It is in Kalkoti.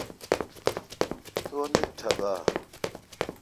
تو انیت ٹھوکہ۔